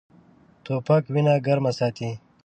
توپک وینه ګرمه ساتي.